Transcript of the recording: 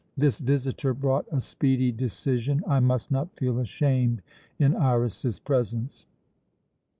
"This visitor brought a speedy decision. I must not feel ashamed in Iras's presence."